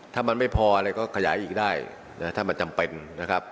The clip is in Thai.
ถ้ามันไม่พออะไรก็ขยายอีกได้นะถ้ามันจำเป็นนะครับ